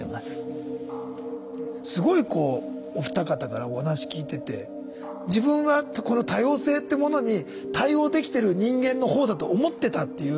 すごいこうお二方からお話聞いてて自分はこの多様性ってものに対応できてる人間のほうだと思ってたっていう大きな勘違い。